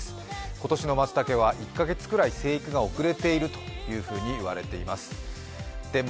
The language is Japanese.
今年のまつたけは１か月ぐらい生育が遅れていると言われているそうです。